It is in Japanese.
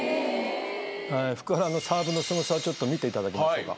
福原のサーブのスゴさを見ていただきましょうか。